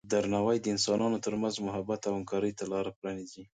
درناوی د انسانانو ترمنځ محبت او همکارۍ ته لاره پرانیزي.